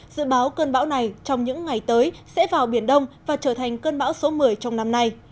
dự báo cơn bão này trong những ngày tới sẽ vào biển đông và trở thành cơn bão số một mươi trong năm nay